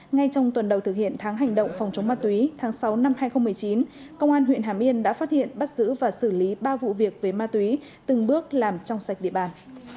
ngay trong tuần đầu thực hiện tháng hành động phòng chống ma túy tháng sáu năm hai nghìn một mươi chín công an huyện hàm yên đã phát hiện bắt giữ và xử lý ba vụ việc với ma túy từng bước làm trong sạch địa bàn